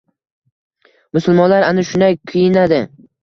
Musulmonlar ana shunday kiyinadi.